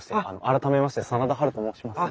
改めまして真田ハルと申します。